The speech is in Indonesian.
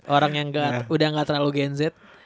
orang yang udah gak terlalu gen z